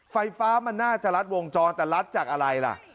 ไฟฟ้ามันน่าจะรัดวงจรแต่รัดจากอะไรล่ะ